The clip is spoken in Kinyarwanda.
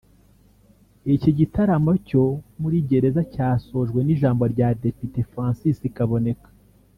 Iki gitaramo cyo muri gereza cyasojwe n’ijambo rya Depite Francis Kaboneka